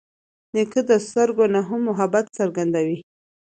نیکه د سترګو نه هم محبت څرګندوي.